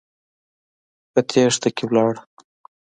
په تېښته کې ولاړ.